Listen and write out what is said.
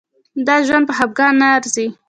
دا ژوند په خفګان نه ارزي.